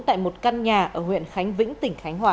tại một căn nhà ở huyện khánh vĩnh tỉnh khánh hòa